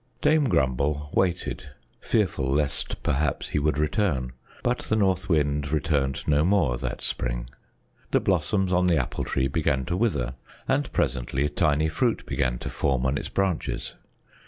Dame Grumble waited, fearful lest perhaps he would return, but the North Wind returned no more that spring. The blossoms on the Apple Tree began to wither, and presently tiny fruit began to form on its branches.